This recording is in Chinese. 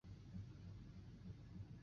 父亲黄中。